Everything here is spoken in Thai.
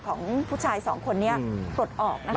ของผู้ชายสองคนนี้ปลดออกนะคะ